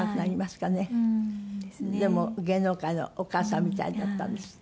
でも芸能界のお母さんみたいだったんですって？